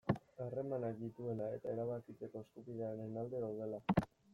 Harremanak dituela eta erabakitzeko eskubidearen alde daudela.